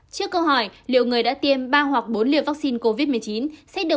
trước câu hỏi liệu người đã tiêm ba hoặc bốn liều vaccine covid một mươi chín